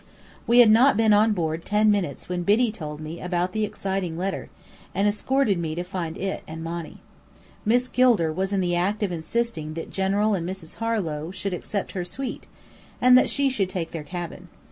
We had not been on board ten minutes when Biddy told me about the exciting letter, and escorted me to find it and Monny. Miss Gilder was in the act of insisting that General and Mrs. Harlow should accept her suite, and that she should take their cabin.